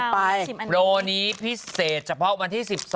ไปโรนี้พิเศษเฉพาะวันที่๑๒